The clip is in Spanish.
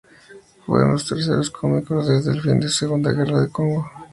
Fueron los terceros comicios desde el fin de la Segunda Guerra del Congo.